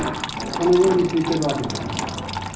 このようにすいてるわけです。